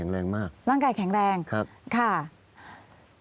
ร่างกายแข็งแรงมาก